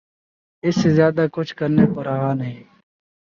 اس سے زیادہ کچھ کرنے کو رہا نہیں۔